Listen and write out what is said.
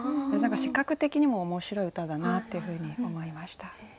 何か視覚的にも面白い歌だなっていうふうに思いました。